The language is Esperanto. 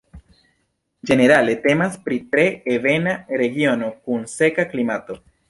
Ĝenerale temas pri tre ebena regiono kun seka klimato.